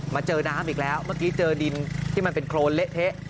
เจอน้ำอีกแล้วเมื่อกี้เจอดินที่มันเป็นโครนเละเทะ